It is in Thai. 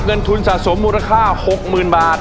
เงินทุนสะสมมูลค่า๖๐๐๐บาท